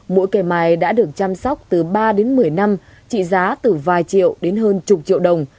mỗi cây mài đã được chăm sóc từ ba đến một mươi năm trị giá từ vài triệu đến hơn chục triệu đồng